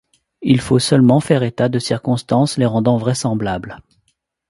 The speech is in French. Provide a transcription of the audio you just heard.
Il faut seulement faire état de circonstances les rendant vraisemblables.